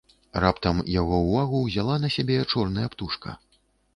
Раптам яго ўвагу ўзяла на сябе чорная птушка.